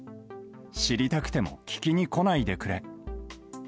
知りたくても聞きに来ないでくれ。